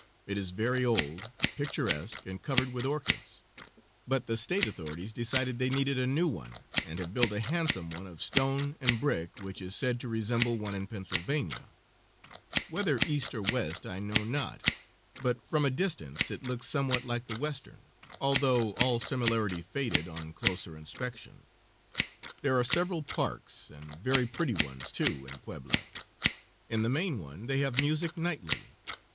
It is very old, picturesque, and covered with orchids, but the state authorities decided they needed a new one, and have built a handsome one of stone and brick, which is said to resemble one in Pennsylvania, whether East or West I know not, but from a distance it looks somewhat like the Western, although all similarity faded on closer inspection. There are several parks, and very pretty ones, too, in Puebla. In the main one they have music nightly.